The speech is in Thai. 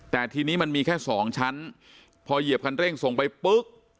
แต่ทีนี้มันมีแค่สองชั้นพอเหยียบคันเร่งส่งไปปุ๊บ